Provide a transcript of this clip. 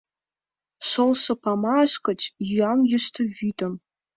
Шолшо памаш гыч йӱам йӱштӧ вӱдым.